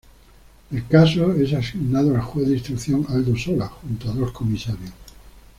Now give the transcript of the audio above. El caso es asignado al juez de instrucción Aldo Sola, junto a dos comisarios.